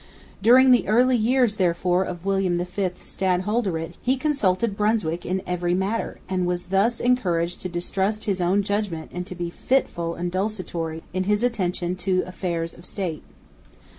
During the earlier years therefore of William V's stadholderate he consulted Brunswick in every matter, and was thus encouraged to distrust his own judgment and to be fitful and desultory in his attention to affairs of State.